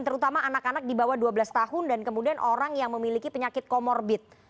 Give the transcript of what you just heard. terutama anak anak di bawah dua belas tahun dan kemudian orang yang memiliki penyakit komorbit